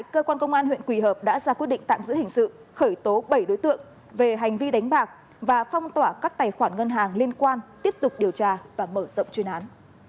cơ quan công an huyện quỳ hợp đã ra quyết định tạm giữ hình sự khởi tố bảy đối tượng về hành vi đánh bạc và phong tỏa các tài khoản ngân hàng liên quan tiếp tục điều tra và mở rộng chuyên án